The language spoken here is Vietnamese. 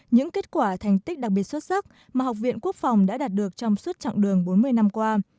những kết quả thành tích đặc biệt xuất sắc mà học viện quốc phòng đã đạt được trong suốt chặng đường bốn mươi năm qua